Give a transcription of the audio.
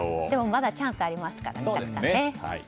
まだチャンスがありますからね。